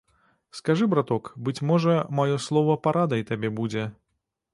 Скажы, браток, быць можа, маё слова парадай табе будзе.